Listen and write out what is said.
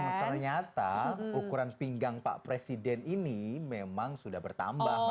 nah ternyata ukuran pinggang pak presiden ini memang sudah bertambah